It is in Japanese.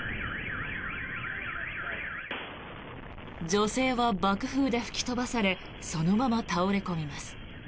女性は爆風で吹き飛ばされそのまま倒れ込みます。